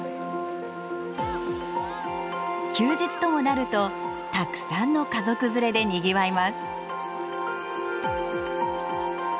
休日ともなるとたくさんの家族連れでにぎわいます。